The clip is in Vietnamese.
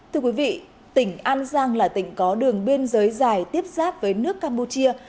thưa quý vị tỉnh an giang là tỉnh có đường biên giới dài tiếp xác với nước campuchia